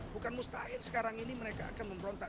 bukan mustahil sekarang ini mereka akan memberontak